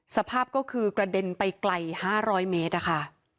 สภาพก็คือกระเด็นไปไกล๕๐๐เมตรนะคะ